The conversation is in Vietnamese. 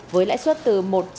với lãi suất từ một trăm một mươi